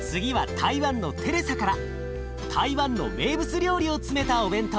台湾の名物料理を詰めたお弁当。